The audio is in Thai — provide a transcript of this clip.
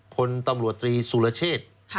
พลตำรวจตรีสุรเชษ